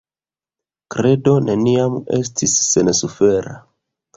Kredo neniam estis sensufera.